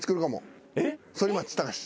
反町隆史。